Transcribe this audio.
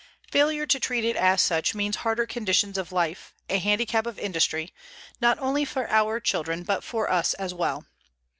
_Failure to treat it as such means harder conditions of life, a handicap of industry; not only for our children, but for us as well.